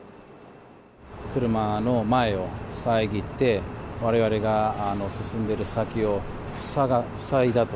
車の前を遮って、われわれが進んでいる先を塞いだと。